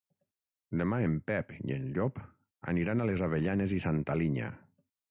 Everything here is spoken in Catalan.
Demà en Pep i en Llop aniran a les Avellanes i Santa Linya.